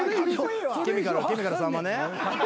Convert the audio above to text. ケミカルさんまね。